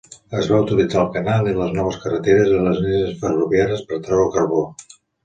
Es va utilitzar el canal i les noves carreteres i línies ferroviàries per treure el carbó.